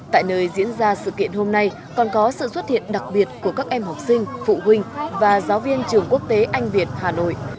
tại nơi diễn ra sự kiện hôm nay còn có sự xuất hiện đặc biệt của các em học sinh phụ huynh và giáo viên trường quốc tế anh việt hà nội